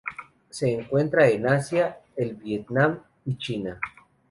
Se encuentran en Asia: el Vietnam y China.